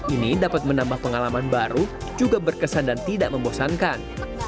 ini dapat menambah pengalaman baru juga berkesan dan tidak membosankan